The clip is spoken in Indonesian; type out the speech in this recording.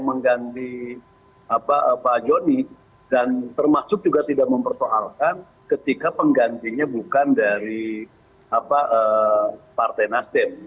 mengganti pak joni dan termasuk juga tidak mempersoalkan ketika penggantinya bukan dari partai nasdem